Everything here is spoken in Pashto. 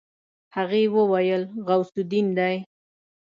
هغې وويل غوث الدين دی.